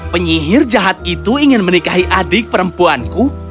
penyihir jahat itu ingin menikahi adik perempuanku